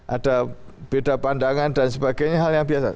ada beda pandangan dan sebagainya hal yang biasa